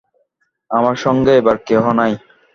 আমার সঙ্গে এবার কেহ নাই।